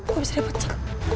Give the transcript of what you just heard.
gue bisa dipecek